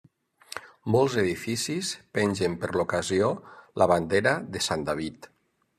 Molts edificis pengen per l'ocasió la bandera de Sant David.